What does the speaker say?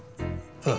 ああ。